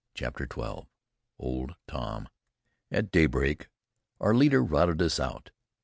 CHAPTER 12. OLD TOM At daybreak our leader routed us out.